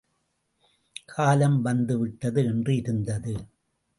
காலம் வந்து விட்டது என்று இருந்தது.